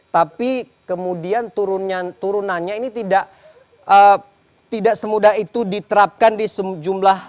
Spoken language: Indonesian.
tapi kemudian turunannya ini tidak semudah itu diterapkan di sejumlah